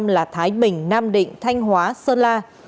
là thái bình nam định thanh hóa sơn la